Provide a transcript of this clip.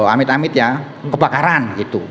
amit amit ya kebakaran